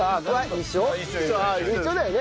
一緒だよね？